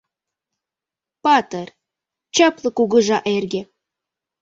«Патыр, чапле кугыжа эрге